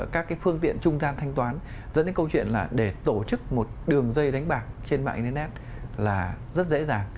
các cái phương tiện trung gian thanh toán dẫn đến câu chuyện là để tổ chức một đường dây đánh bạc trên mạng internet là rất dễ dàng